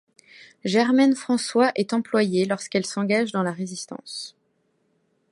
Germaine François est employée lorsqu'elle s'engage dans la Résistance.